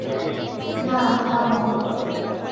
না, থামো!